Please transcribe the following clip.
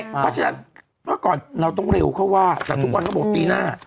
เพราะฉะนั้นเราต้องเร็วเข้าว่าแต่ทุกวันเขาบอกตีหน้า